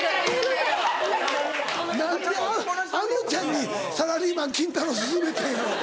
何であのちゃんに『サラリーマン金太郎』薦めたんやろ？